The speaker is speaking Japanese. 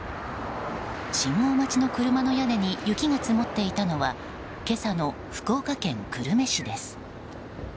信号待ちの車の屋根に雪が積もっていたのは今朝の福岡県久留米市です。